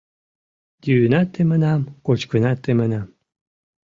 Йӱынат темынам, кочкынат темынам